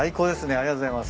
ありがとうございます。